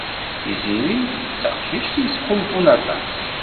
Tiziri d taqcict yettḥulfun aṭas.